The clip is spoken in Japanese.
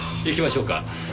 行きましょうか。